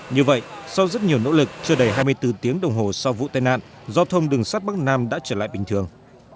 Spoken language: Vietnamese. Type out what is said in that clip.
như vậy sau rất nhiều nỗ lực chưa đầy hai mươi bốn tiếng đồng hồ sau vụ tai nạn giao thông đường sắt bắc nam đã trở lại bình thường